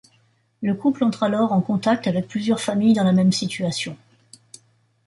Le couple entre alors en contact avec plusieurs familles dans la même situation.